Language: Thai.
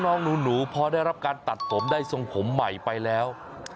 น้องหนูพอได้รับการตัดผมได้ทรงผมใหม่ไปแล้ว